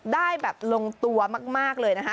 ได้แบบลงตัวมากเลยนะคะ